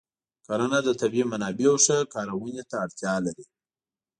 کرنه د طبیعي منابعو ښه کارونه ته اړتیا لري.